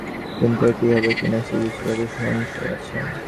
কিন্তু এটি হবে কি না সে বিষয়ে যথেষ্ট সংশয় আছে।